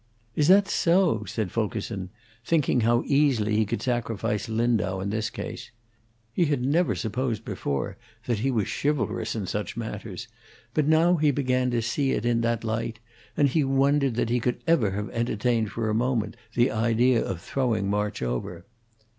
"Is that so?" said Fulkerson, thinking how easily he could sacrifice Lindau in this case. He had never supposed before that he was chivalrous in such matters, but he now began to see it in that light, and he wondered that he could ever have entertained for a moment the idea of throwing March over.